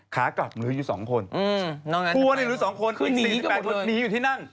ขากลับมีอยู่สองคนอืมทัวร์มีอยู่สองคนอีกสี่สิบแปดมีอยู่ที่นั่ง